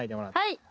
はい。